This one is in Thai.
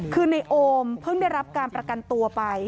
คือในโอมเพิ่งได้รับการประกันตัวไป